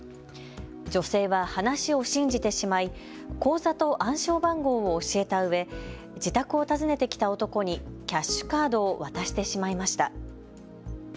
女性は話を信じてしまい口座と暗証番号を教えたうえ、自宅を訪ねてきた男にキャッシュカードを渡してしまいました。